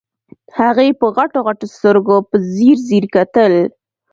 هغې په غټو غټو سترګو په ځير ځير کتل.